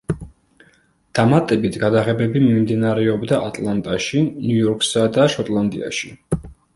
დამატებით გადაღებები მიმდინარეობდა ატლანტაში, ნიუ-იორკსა და შოტლანდიაში.